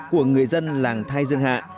của người dân làng thái dương hạ